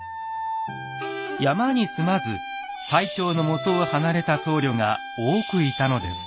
山に住まず最澄のもとを離れた僧侶が多くいたのです。